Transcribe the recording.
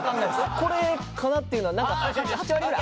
これかなっていうのは８割ぐらい。